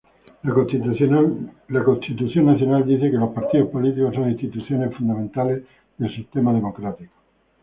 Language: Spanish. La Constitución Nacional dice que los partidos políticos son instituciones fundamentales del sistema democrático.